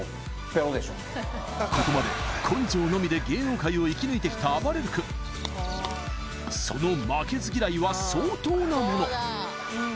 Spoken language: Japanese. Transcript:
ここまで根性のみで芸能界を生き抜いてきたあばれる君その負けず嫌いは相当なもの